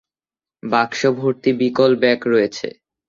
বাক্স ভর্তি ব্রিকলব্যাক রয়েছে!